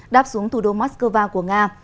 đạp xuống thủ đô moscow của nga